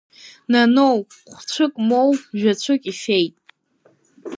Наноу хә-цәык моу жәа-цәык ифеит.